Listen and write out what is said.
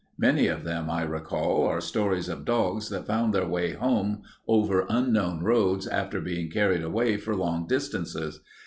Many of them, I recall, are stories of dogs that found their way home over unknown roads after being carried away for long distances.